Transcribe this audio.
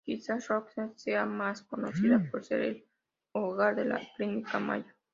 Quizás, Rochester sea más conocida por ser el hogar de la Clínica Mayo.